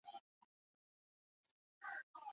繁缕虎耳草为虎耳草科虎耳草属下的一个种。